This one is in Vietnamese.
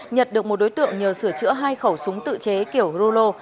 nhật được một đối tượng nhờ sửa chữa hai khẩu súng tự chế kiểu rolo